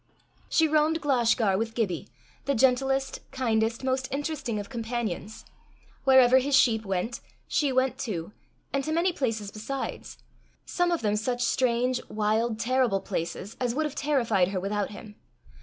She roamed Glashgar with Gibbie, the gentlest, kindest, most interesting of companions. Wherever his sheep went, she went too, and to many places besides some of them such strange, wild, terrible places, as would have terrified her without him.